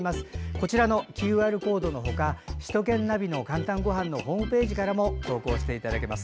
こちらのＱＲコードの他首都圏ナビの「かんたんごはん」のページからも投稿していただけます。